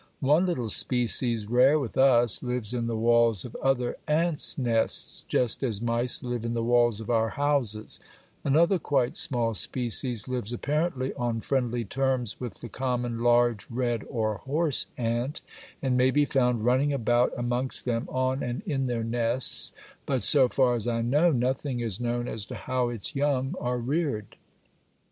One little species, rare with us, lives in the walls of other ants' nests, just as mice live in the walls of our houses; another quite small species lives apparently on friendly terms with the common large red or horse ant, and may be found running about amongst them, on and in their nests, but, so far as I know, nothing is known as to how its young are reared.